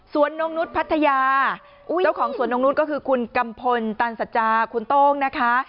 นงนุษย์พัทยาเจ้าของสวนนกนุษย์ก็คือคุณกัมพลตันสัจจาคุณโต้งนะคะ